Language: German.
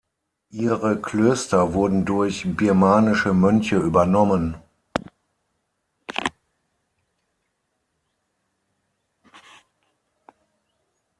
Ihre Klöster wurden durch birmanische Mönche übernommen.